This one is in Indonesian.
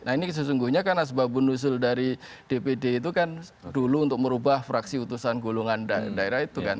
nah ini sesungguhnya karena sebab bunda usul dpd itu kan dulu untuk merubah fraksi utusan golongan daerah itu kan